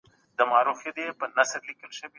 نړيوالي اړیکي د پرمختګ لپاره نوي فرصتونه رامنځته کوي.